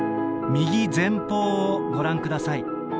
「右前方をご覧ください。